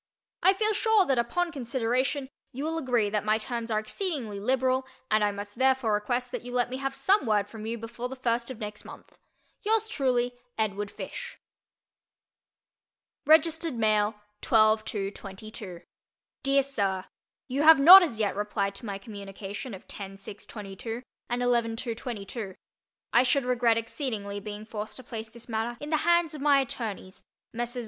I feel sure that upon consideration you will agree that my terms are exceedingly liberal and I must therefore request that you let me have some word from you before the first of next month. Yours truly, EDWARD FISH. (Registered Mail) 12 2 22 DEAR SIR: You have not as yet replied to my communication of 10 6 22 and 11 2 22. I should regret exceedingly being forced to place this matter in the hands of my attorneys, Messrs.